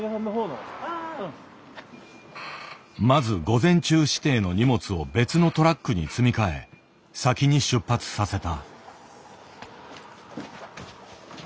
まず午前中指定の荷物を別のトラックに積み替え先に出発させた。